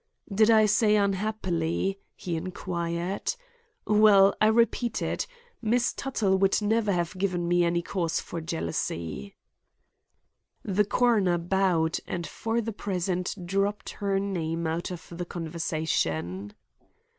"Did I say unhappily?" he inquired. "Well, I repeat it; Miss Tuttle would never have given me any cause for jealousy." The coroner bowed and for the present dropped her name out of the conversation.